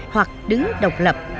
hoặc đứng độc lập